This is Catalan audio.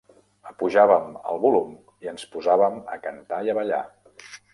Apujàvem el volum i ens posàvem a cantar i a ballar.